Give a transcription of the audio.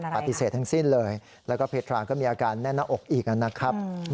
ปฏิเสธทั้งสิ้นเลยแล้วก็เพตราก็มีอาการแน่นหน้าอกอีกนะครับ